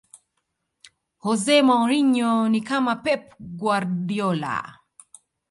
jose mourinho ni kama pep guardiola